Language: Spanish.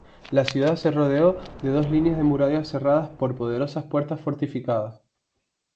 La ciudad se rodeó de dos líneas de murallas cerradas por poderosas puertas fortificadas.